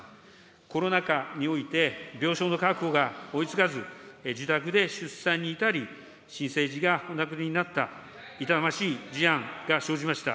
コロナ禍において病床の確保が追いつかず、自宅で出産に至り、新生児がお亡くなりになった痛ましい事案が生じました。